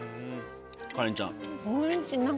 カレンちゃん。